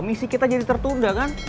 misi kita jadi tertunda kan